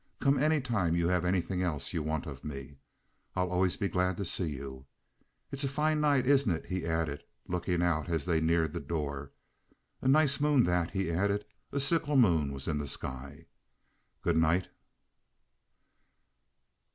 Come any time you have anything else you want of me. I'll always be glad to see you. It's a fine night, isn't it?" he added, looking out as they neared the door. "A nice moon that!" he added. A sickle moon was in the sky. "Good night."